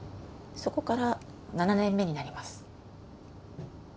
そこから７年目になります。